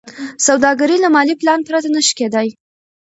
سوداګري له مالي پلان پرته نشي کېدای.